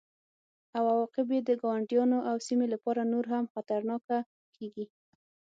او عواقب یې د ګاونډیانو او سیمې لپاره نور هم خطرناکه کیږي